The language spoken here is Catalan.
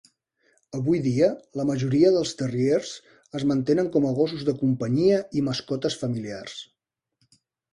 Avui dia, la majoria dels terriers es mantenen com a gossos de companyia i mascotes familiars.